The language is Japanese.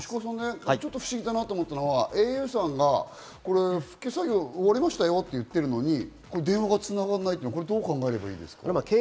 ちょっと不思議だなと思ったのは、ａｕさんが復旧作業、終わりましたよって言ってるのに電話は繋がらないっていうのは、どう考えればいいですか？